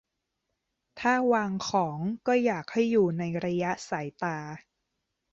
- ถ้าวางของ ก็อยากให้อยู่ในระยะสายตา